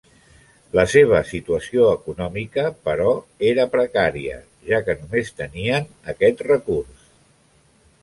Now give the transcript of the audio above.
La seva situació econòmica, però, era precària, ja que només tenien aquest recurs.